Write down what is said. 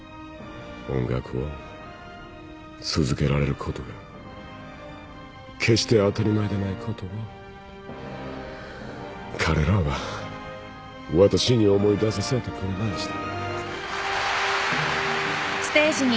音楽を続けられることが決して当たり前でないことを彼らはわたしに思い出させてくれました。